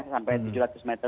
sampai tujuh ratus meter